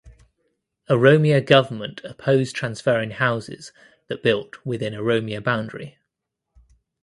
Oromia government opposed transferring houses that built within Oromia boundary.